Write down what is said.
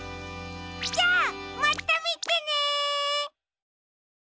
じゃあまたみてね！